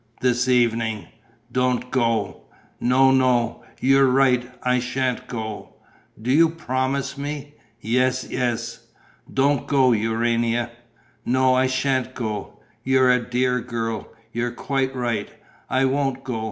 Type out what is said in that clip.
"This evening." "Don't go." "No, no, you're right, I sha'n't go." "Do you promise me?" "Yes, yes." "Don't go, Urania." "No, I sha'n't go. You're a dear girl. You're quite right: I won't go.